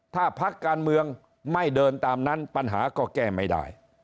ถ้าพักการเมืองไม่เดินตามนั้นปัญหาก็แก้ไม่ได้